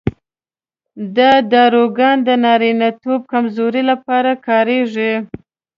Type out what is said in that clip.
دا داروګان د نارینتوب کمزورۍ لپاره کارېدل.